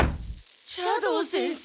斜堂先生。